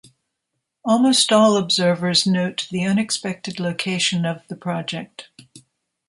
Almost all observers note the unexpected location of the project.